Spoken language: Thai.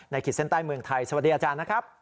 ขีดเส้นใต้เมืองไทยสวัสดีอาจารย์นะครับ